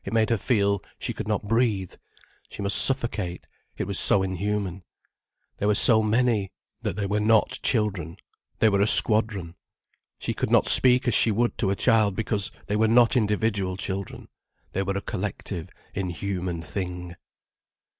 It made her feel she could not breathe: she must suffocate, it was so inhuman. They were so many, that they were not children. They were a squadron. She could not speak as she would to a child, because they were not individual children, they were a collective, inhuman thing.